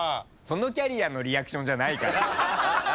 そのキャリアのリアクションじゃないから。